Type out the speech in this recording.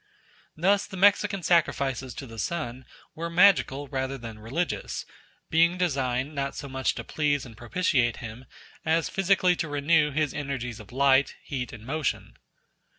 Thus the Mexican sacrifices to the sun were magical rather than religious, being designed, not so much to please and propitiate him, as physically to renew his energies of heat, light, and motion.